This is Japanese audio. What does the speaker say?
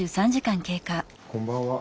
こんばんは。